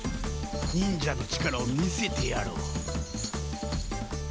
忍者の力を見せてやろう。